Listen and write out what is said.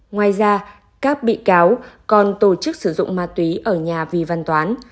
ngoài ra các bị cáo còn tổ chức sử dụng ma túy ở nhà vi văn toán